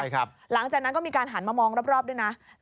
หลังจากนั้นก็มีการหันมามองรอบด้วยนะ